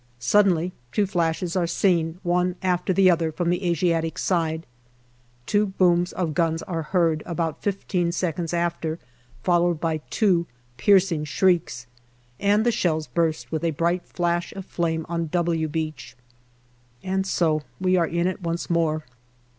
Suddenly, two flashes are seen, one after the other, from the Asiatic side ; two booms of guns are heard, about fifteen seconds after, followed by two piercing shrieks, and the shells burst with a bright flash of flame on " W " Beach. And so we are in it once more.